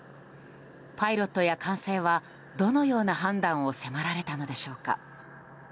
パイロットや管制はどのような判断を迫られたのでしょうか。